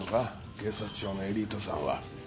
警察庁のエリートさんは。